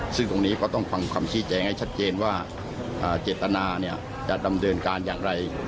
ซึ่งตรงนี้ก็ต้องฟังคำชี้แจงให้ชัดเจนว่าเจตนาจะดำเนินการอย่างไร